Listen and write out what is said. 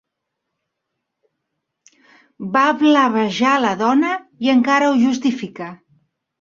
Va blavejar la dona i encara ho justifica.